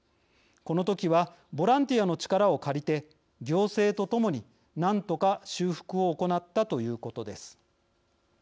この時はボランティアの力を借りて行政とともに何とか修復を行ったということです。